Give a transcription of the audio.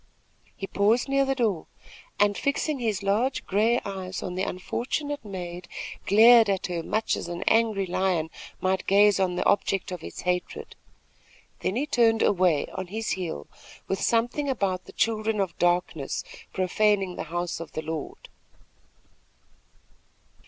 He paused near the door and, fixing his large gray eyes on the unfortunate maid, glared at her much as an angry lion might gaze on the object of its hatred; then he turned away on his heel with something about the children of darkness profaning the house of the Lord.